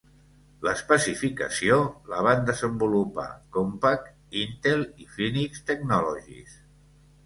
L'especificació la van desenvolupar Compaq, Intel i Phoenix Technologies.